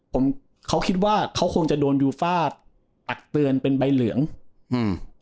ผมเขาคิดว่าเขาคงจะโดนยูฟ่าตักเตือนเป็นใบเหลืองอืม